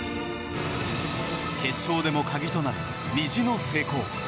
決勝でも鍵となる虹の成功。